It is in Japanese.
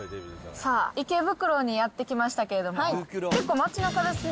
さあ、池袋にやって来ましたけども、結構、街なかですね。